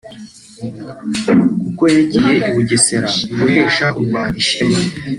kuko yagiye i Bugesera guhesha u Rwanda ishema